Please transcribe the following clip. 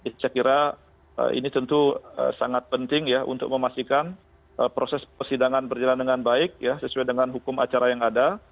saya kira ini tentu sangat penting ya untuk memastikan proses persidangan berjalan dengan baik sesuai dengan hukum acara yang ada